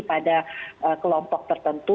pada kelompok tertentu